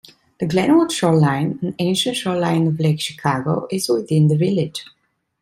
The Glenwood Shoreline, an ancient shoreline of Lake Chicago, is within the village.